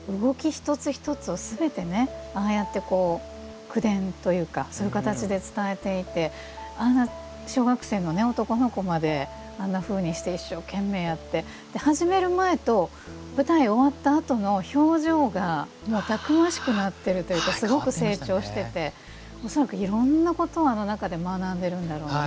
一つ一つをすべてああやってこう、口伝というかそういう形で伝えていてあんな小学生の男の子まであんなふうにして一生懸命やって始める前と舞台終わったあとの表情がたくましくなっているというかすごく成長してて恐らくいろんなことをあの中で学んでいるんだろうな。